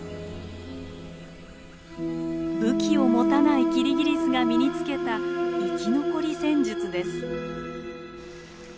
武器を持たないキリギリスが身につけた生き残り戦術です。